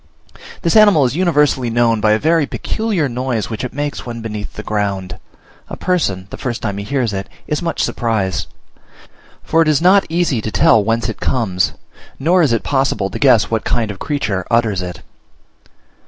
This animal is universally known by a very peculiar noise which it makes when beneath the ground. A person, the first time he hears it, is much surprised; for it is not easy to tell whence it comes, nor is it possible to guess what kind of creature utters it.